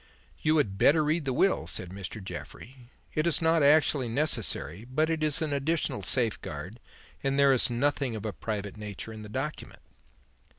'You had better read the will,' said Mr. Jeffrey. 'It is not actually necessary, but it is an additional safeguard and there is nothing of a private nature in the document.'